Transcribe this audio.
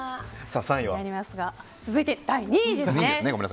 続いて第２位です。